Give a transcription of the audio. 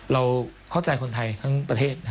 เราเข้าใจคนไทยทั้งประเทศ